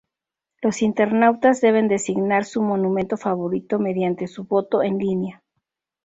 Los internautas deben designar su monumento favorito mediante su voto en línea.